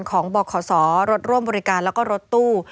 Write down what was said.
ของบขรถร่วมบริการแล้วก็รถตู้